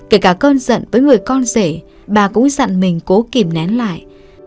kể cả con giận với người con rể bà cũng dặn mình cố kìm nén lại